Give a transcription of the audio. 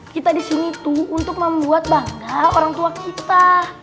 kita disini tuh untuk membuat bangga orang tua kita